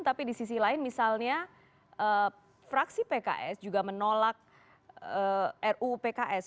tapi di sisi lain misalnya fraksi pks juga menolak ruu pks